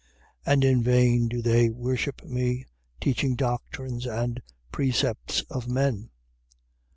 7:7. And in vain do they worship me, teaching doctrines and precepts of men.